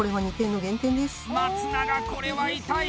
松永、これは痛い！